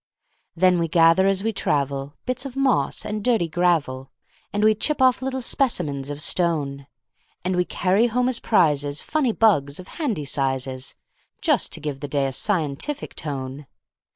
Then we gather as we travel, Bits of moss and dirty gravel, And we chip off little specimens of stone; And we carry home as prizesFunny bugs, of handy sizes, Just to give the day a scientific tone.